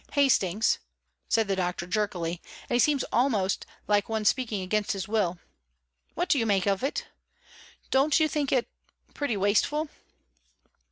"Hastings," said the doctor, jerkily, and he seemed almost like one speaking against his will "what do you make out of it? Don't you think it pretty wasteful?"